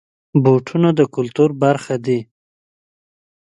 بوټونه د کلتور برخه دي.